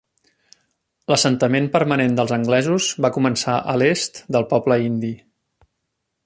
L'assentament permanent dels anglesos va començar a l'est del poble indi.